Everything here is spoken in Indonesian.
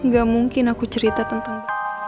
gak mungkin aku cerita tentang